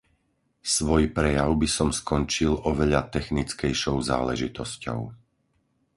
Svoj prejav by som skončil oveľa technickejšou záležitosťou.